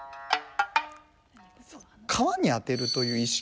皮に当てるという意識で。